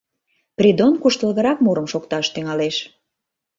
Придон куштылгырак мурым шокташ тӱҥалеш.